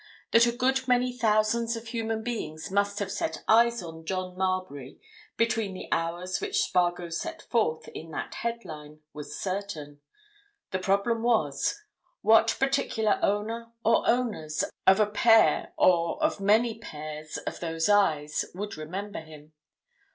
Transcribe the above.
That a good many thousands of human beings must have set eyes on John Marbury between the hours which Spargo set forth in that headline was certain; the problem was—What particular owner or owners of a pair or of many pairs of those eyes would remember him?